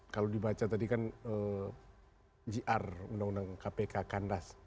kalau dibaca tadi kan jr undang undang kpk kandas